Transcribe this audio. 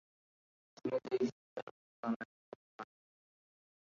তিনি দেই-সেচেন ও চোতানের কন্যা।